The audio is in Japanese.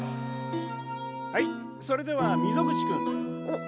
はいそれでは溝口君。